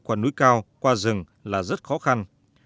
qua núi cao qua rừng là rất khó khăn